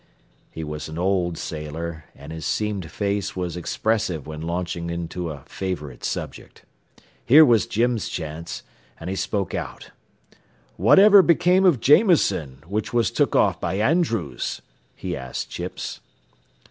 He was an old sailor, and his seamed face was expressive when launching into a favorite subject. Here was Jim's chance, and he spoke out. "Whatever became of Jameson, what was took off by Andrews?" he asked Chipps.